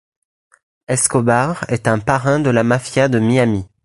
Escobar est un parrain de la mafia de Miami.